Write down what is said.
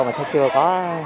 mà chưa có